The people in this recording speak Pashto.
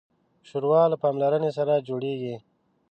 ښوروا له پاملرنې سره جوړیږي.